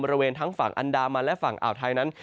บริเวณทั้งฝั่งอันดามันและฝั่งอ่าวไทยนั้น